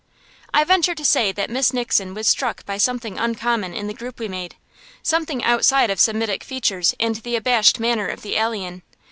I venture to say that Miss Nixon was struck by something uncommon in the group we made, something outside of Semitic features and the abashed manner of the alien.